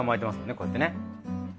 こうやってね。